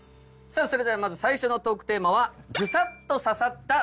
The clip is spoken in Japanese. それではまず最初のトークテーマは。